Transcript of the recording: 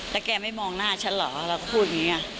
แล้วแกไม่มองหน้าฉันเหรอเราพูดอย่างนี้